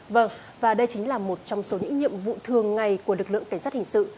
vâng và đây chính là một trong số những nhiệm vụ thường ngày của lực lượng cảnh sát hình sự